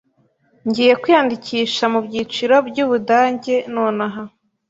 Ngiye kwiyandikisha mubyiciro byubudage nonaha.